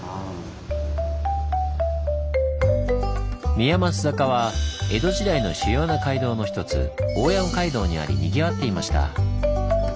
宮益坂は江戸時代の主要な街道の一つ大山街道にありにぎわっていました。